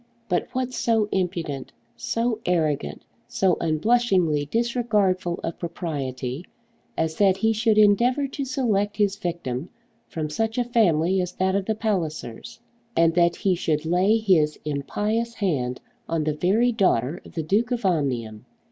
But what so impudent, so arrogant, so unblushingly disregardful of propriety, as that he should endeavour to select his victim from such a family as that of the Pallisers, and that he should lay his impious hand on the very daughter of the Duke of Omnium?